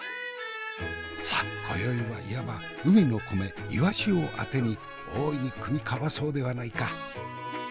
さあ今宵はいわば海の米いわしをあてに大いに酌み交わそうではないか。